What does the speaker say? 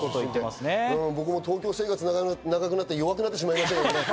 僕も東京生活が長くなって弱くなってしまいました。